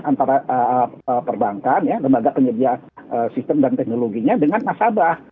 antara perbankan lembaga penyedia sistem dan teknologinya dengan nasabah